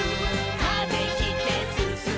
「風切ってすすもう」